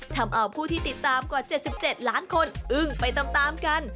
ทำเอาผู้ที่ติดตามกว่า๗๗ล้านคนอึ้งไปตามกัน